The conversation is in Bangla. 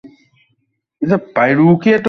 কিন্তু ইঁদুর শিকার করে পুরো মাঠ।